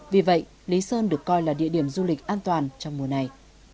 vì vậy lý sơn được coi là địa điểm du lịch an toàn trong mùa này